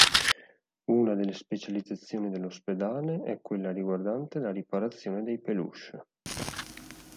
Una delle specializzazioni dell'ospedale è quella riguardante la riparazione dei Peluche.